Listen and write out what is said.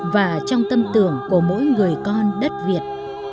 và trong tâm tưởng của mỗi người con đất việt